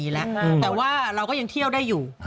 แต่ว่าเราก็ยังเที่ยวได้อยู่